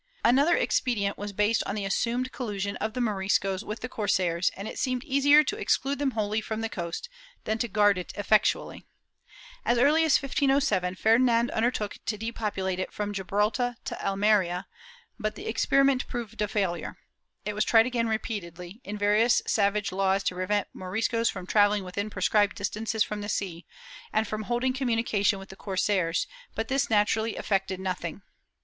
^ Another expedient was based on the assumed col lusion of the Moriscos with the corsairs, and it seemed easier to exclude them wholly from the coast than to guard it effectually. As early as 1507 Ferdinand undertook to depopulate it from Gibraltar to Almeria, but the experiment proved a failure.^ It was tried again repeatedly, in various savage laws to prevent Moriscos from travelling within prescribed distances from the sea, and from holding communication with the corsairs, but thia naturally effected nothing.